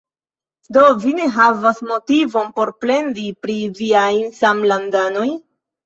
Do, vi ne havas motivon por plendi pri viaj samlandanoj?